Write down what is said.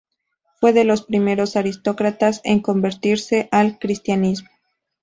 Fue de los primeros aristócratas en convertirse al Cristianismo.